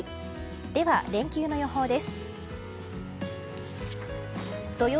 では、連休の予報です。